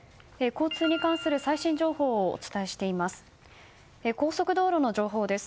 交通に関する最新情報をお伝えしています。